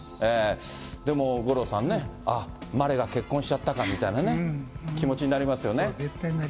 でも、五郎さんね、まれが結婚しちゃったかみたいな気持ちになりますよね。